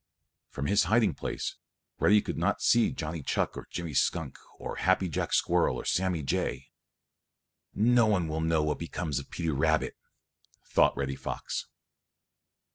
From his hiding place Reddy could not see Johnny Chuck or Jimmy Skunk or Happy Jack Squirrel or Sammy Jay. "No one will know what becomes of Peter Rabbit," thought Reddy Fox.